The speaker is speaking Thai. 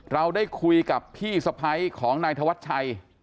เราได้คุยกับพี่สะพ้ายของนายธวัชชัย